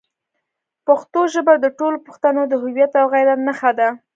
پښتو ژبه د ټولو پښتنو د هویت او غیرت نښه ده.